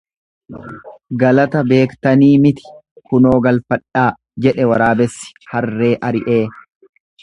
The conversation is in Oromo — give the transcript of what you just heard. Galata beektanii mitii kunoo galfadhaa jedhe waraabessi harree ari'ee.